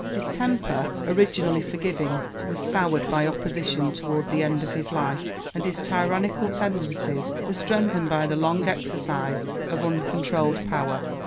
His temper, originally forgiving, was soured by opposition toward the end of his life, and his tyrannical tendencies were strengthened by the long exercise of uncontrolled power.